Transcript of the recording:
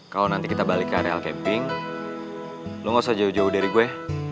kalau nanti kita balik ke areal camping lo gak usah jauh jauh dari gue